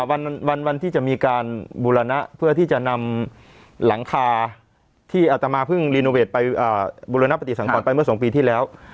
วันวันที่จะมีการบูรณะเพื่อที่จะนำหลังคาที่อัตมาเพิ่งรีโนเวทไปบุรณปฏิสังกรไปเมื่อ๒ปีที่แล้ว